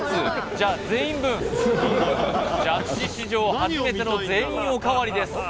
じゃあ全員分ジャッジ史上初めての全員おかわりです